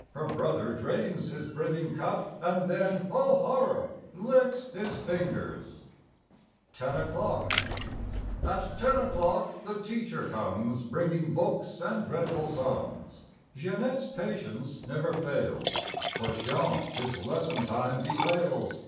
Her brother drains his brimming cup. And then—oh, horror!—licks his fingers! 13 NINE O'CLOCK 15 TEN O'CLOCK AT ten o'clock the teacher comes ZjL Bringing books and dreadful Jeanette's patience never fails, But Jean his lesson time bewails.